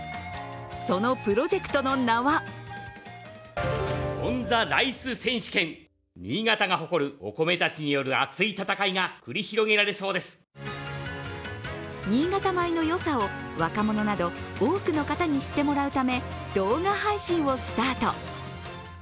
そのプロジェクトの名は新潟米の良さを若者など多くの方に知ってもらうため動画配信をスタート。